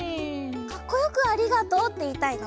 かっこよく「ありがとう」っていいたいの？